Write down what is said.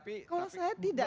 kalau saya tidak